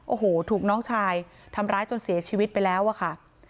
โอ้โหถูกน้องชายทำร้ายจนเสียชีวิตไปแล้วอะค่ะ